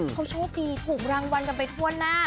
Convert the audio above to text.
เขาโชคดีถูกรางวัลกันไปทั่วหน้า